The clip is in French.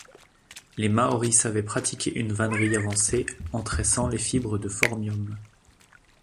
Les Māoris savaient pratiquer une vannerie avancée en tressant les fibres de Phormium.